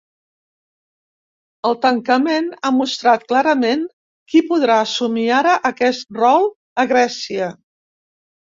El tancament ha mostrat clarament qui podrà assumir ara aquest rol a Grècia.